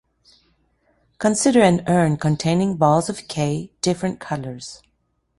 Consider an urn containing balls of "K" different colors.